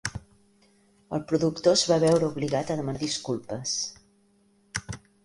El productor es va veure obligat a demanar disculpes.